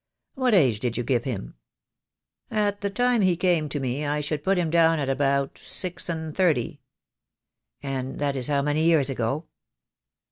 "What age did you give him?" "At the time he came to me I should put him down at about six and thirty." "And that is how many years ago?"